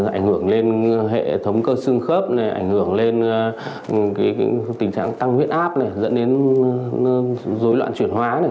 ảnh hưởng lên hệ thống cơ xương khớp này ảnh hưởng lên cái tình trạng tăng huyết áp này dẫn đến rối loạn chuyển hóa này